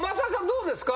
どうですか？